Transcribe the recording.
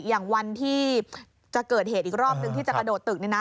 อย่างวันที่จะเกิดเหตุอีกรอบนึงที่จะกระโดดตึก